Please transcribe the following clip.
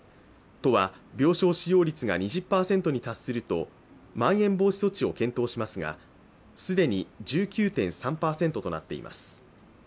都は病床使用率が２０％に達するとまん延防止措置を検討しますが既に１９．３％となっています。